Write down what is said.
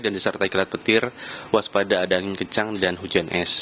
dan disertai kelihatan petir waspada adanya kencang dan hujan es